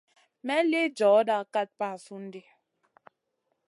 May lï djoda kat basoun ɗi.